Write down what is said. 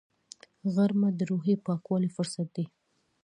غرمه د روحي پاکوالي فرصت دی